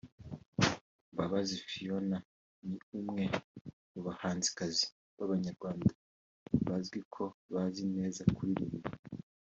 Mbabazi Phionah ni umwe mu bahanzikazi b'abanyarwanda bizwi ko bazi neza kuririmba